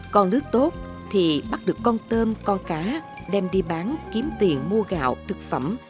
còn nước tốt thì bắt được con tôm con cá đem đi bán kiếm tiền mua gạo thực phẩm